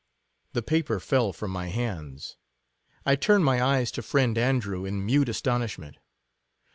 The paper fell from my hands— I turned 64 my eyes to friend Andrew in mute astonish ment.